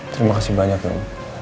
terima kasih banyak dong